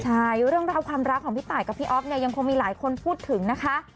ใช่เรื่องราวความรักของพี่ตายกับพี่อ๊อฟเนี่ยยังคงมีหลายคนพูดถึงนะคะ